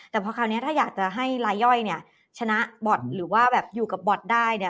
แต่พอคราวนี้ถ้าอยากจะให้ลายย่อยชนะบอตหรือว่าอยู่กับบอตได้